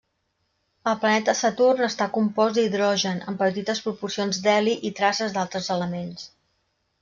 El planeta Saturn està compost d'hidrogen, amb petites proporcions d'heli i traces d'altres elements.